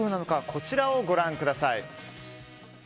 こちらをご覧ください。